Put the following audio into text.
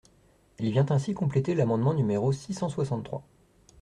Il vient ainsi compléter l’amendement numéro six cent soixante-trois.